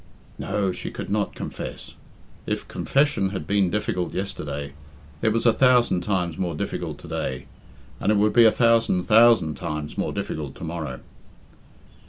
No, she could not confess. If confession had been difficult yesterday, it was a thousand times more difficult to day, and it would be a thousand thousand times more difficult tomorrow.